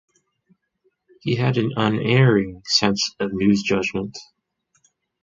He had an unerring sense of news judgment.